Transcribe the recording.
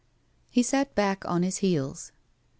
He sat back on his heels.